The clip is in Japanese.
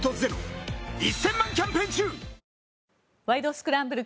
スクランブル」